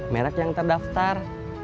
merek yang terdaftar